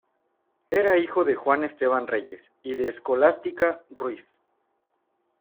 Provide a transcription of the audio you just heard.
Era hijo de Juan Esteban Reyes y de Escolástica Ruiz.